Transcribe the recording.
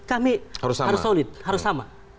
kami harus sama